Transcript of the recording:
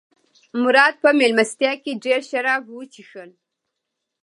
مراد په مېلمستیا کې ډېر شراب وڅښل.